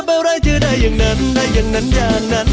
อะไรจะได้อย่างนั้นได้อย่างนั้นอย่างนั้น